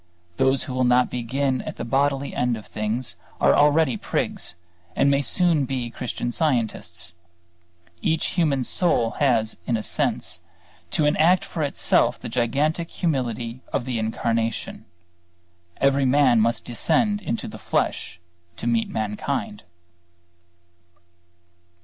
Those who will not begin at the bodily end of things are already prigs and may soon be Christian Scientists. Each human soul has in a sense to enact for itself the gigantic humility of the Incarnation. Every man must descend into the flesh to meet mankind.